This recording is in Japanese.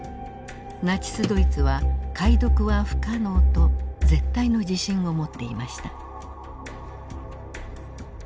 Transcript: ナチス・ドイツは解読は不可能と絶対の自信を持っていました。